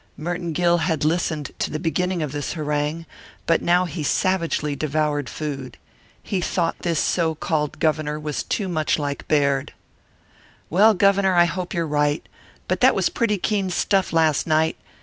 Merton Gill had listened to the beginning of this harangue, but now he savagely devoured food. He thought this so called Governor was too much like Baird. "Well, Governor, I hope you're right. But that was pretty keen stuff last night.